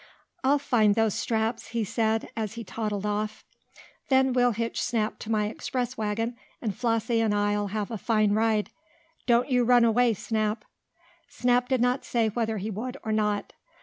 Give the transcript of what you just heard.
"I'll find those straps," he said, as he toddled off. "Then we'll hitch Snap to my express wagon, and Flossie and I'll have a fine ride. Don't you run away, Snap." Snap did not say whether he would or not.